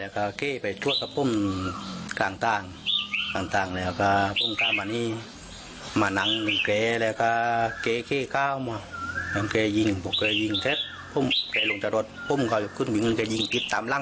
เอาเมื่อก่อนรู้จักแต่ว่าไม่เคยปู๊ดไม่เคยเล่น